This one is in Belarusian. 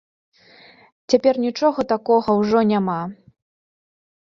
Цяпер нічога такога ўжо няма.